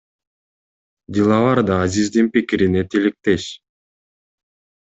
Диловар да Азиздин пикирине тилектеш.